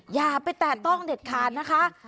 อย่าไปแตะต้องเด็ดขาดนะคะ